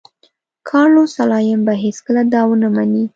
کارلوس سلایم به هېڅکله دا ونه مني.